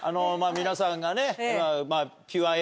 皆さんがね。